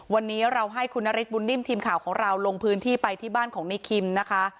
วันนี้เราให้คุณนฤทธบุญนิ่มทีมข่าวของเราลงพื้นที่ไปที่บ้านของในคิมนะคะ